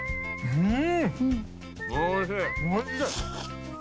うん。